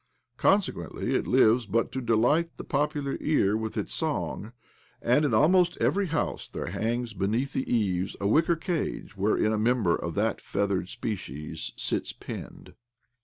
Consequently it lives but to delight the popular ear with its song, and in almost / every house there hangs beneath the eaves a, Iwicker cage wherein a member of that ^feathered species sits penned.